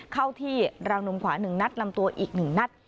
เข้าที่ราวนุมขวาหนึ่งนัดลำตัวอีกหนึ่งนัด